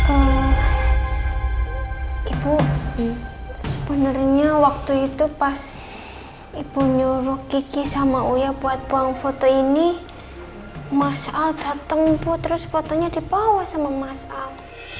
eh ibu sebenarnya waktu itu pas ibu nyuruh kiki sama uya buat buang foto ini mas al datang bu terus fotonya dibawa sama mas al